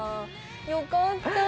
よかった。